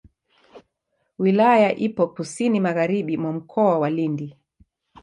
Wilaya ipo kusini magharibi mwa Mkoa wa Lindi.